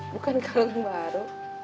bukan kalung baru